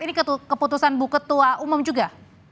ini keputusan bu ketua umum juga